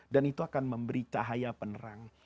dan itu akan memberi cahaya penerang